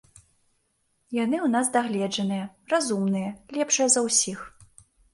Яны ў нас дагледжаныя, разумныя, лепшыя за ўсіх.